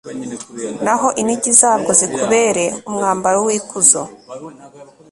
naho inigi zabwo zikubere umwambaro w'ikuzo